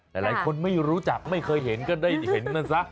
หลายคนไม่รู้จักไม่เคยเห็นก็ได้เห็นมันซะ